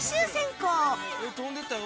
飛んでいったよ。